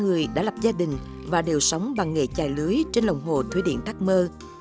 ba người đã lập gia đình và đều sống bằng nghề chài lưới trên lồng hồ thuế điện thác mơ